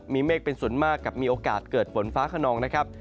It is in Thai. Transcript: มีเมฆเป็นส่วนมากกับมีโอกาสเกิดฝนฟ้าขนองนะครับ